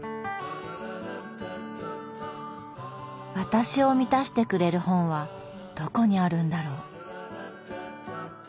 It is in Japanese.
私を満たしてくれる本はどこにあるんだろう。